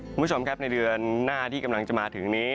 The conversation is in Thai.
คุณผู้ชมครับในเดือนหน้าที่กำลังจะมาถึงนี้